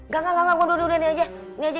gak gak gak udah udah ini aja